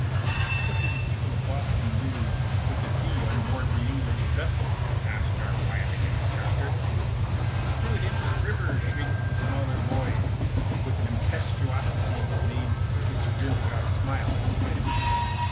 "What did the people of Boston do with the tea on board the English vessels?" asked our wily instructor. "Threw it into the river!" shrieked the smaller boys, with an impetuosity that made Mr. Grimshaw smile in spite of himself.